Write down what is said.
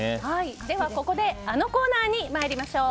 ではここであのコーナーに参りましょう。